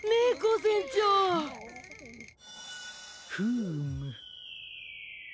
フーム。